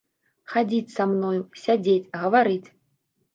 Хадзіць са мною, сядзець, гаварыць?